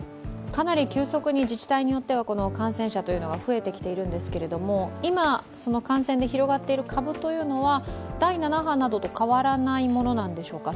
かなり急速に自治体によっては感染者が増えてきているんですけれども今、感染で広がっている株は第７波などと変わらないものなんでしょうか？